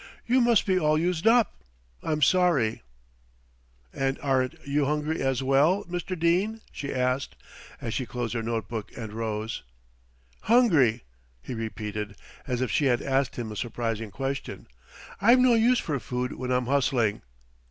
You must be all used up. I'm sorry." "And aren't you hungry as well, Mr. Dene?" she asked, as she closed her note book and rose. "Hungry!" he repeated as if she had asked him a surprising question. "I've no use for food when I'm hustling.